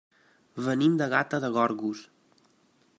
Venim de Gata de Gorgos.